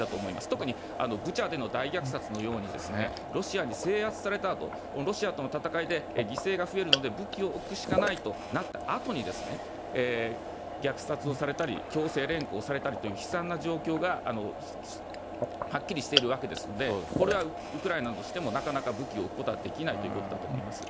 特にブチャでの大虐殺のように、ロシアに制圧されたあと、ロシアとの戦いで犠牲が増えるので武器を置くしかないとなったあとに、虐殺をされたり、強制連行されたりという悲惨な状況がはっきりしているわけですので、これはウクライナとしても、なかなか武器を置くことはできないということだと思います。